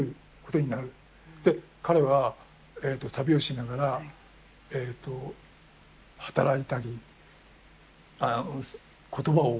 で彼は旅をしながら働いたり言葉を覚えたり。